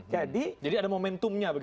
jadi ada momentumnya